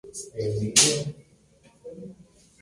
Está casada y tiene dos hijos con Jason Sloane.